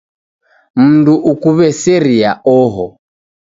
Mundu ukuw'eseria oho